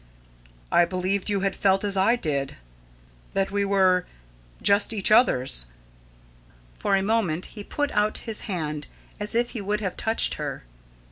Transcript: I believed you had felt as I did, that we were just each other's." For a moment he put out his hand as if he would have touched her.